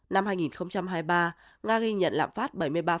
năm hai nghìn hai mươi ba nga ghi nhận lạm phát bảy mươi ba